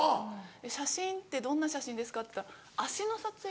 「写真ってどんな写真ですか？」って言ったら「足の撮影を」。